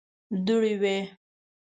دوړې وې.